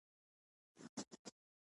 پښتانه ټول قاتلان نه دي.